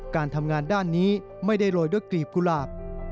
การทำงานด้านนี้ไม่ได้โรยด้วยกลีบกุหลาบ